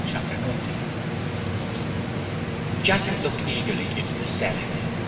CHAPTER XIX Jack looked eagerly into the cell again.